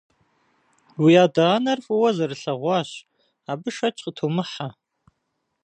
Уи адэ-анэр фӀыуэ зэрылъэгъуащ, абы шэч къытумыхьэ.